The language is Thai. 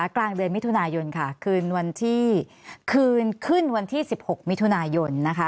กลางเดือนมิถุนายนคืนขึ้นวันที่๑๖มิถุนายน